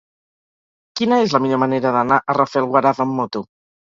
Quina és la millor manera d'anar a Rafelguaraf amb moto?